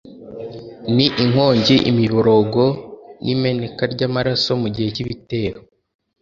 ni inkongi, imiborogo, n' imeneka ry' amaraso mu gihe cy' ibitero